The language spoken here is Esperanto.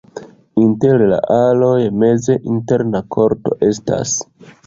Inter la aloj meze interna korto estas.